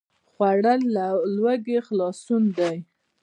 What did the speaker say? خوړل له لوږې خلاصون دی